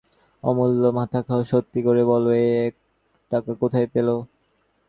অমূল্য, মাথা খাও, সত্যি করে বলো, এ টাকা কোথায় পেলে?